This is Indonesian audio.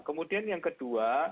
kemudian yang kedua